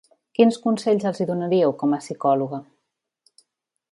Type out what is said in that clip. Quins consells els hi donaríeu com a psicòloga?